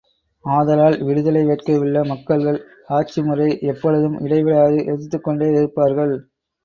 ஆதலால், விடுதலை வேட்கையுள்ள மக்கள் ஆட்சி முறையை எப்பொழுதும் இடைவிடாது எதிர்த்துக்கொண்டே இருப்பார்கள்.